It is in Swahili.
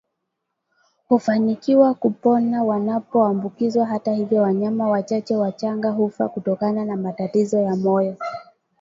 hufanikiwa kupona wanapoambukizwa Hata hivyo wanyama wachache wachanga hufa kutokana na matatizo ya moyo